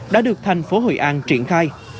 đã được thành phố hội an triển khai